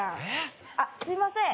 あっすいません。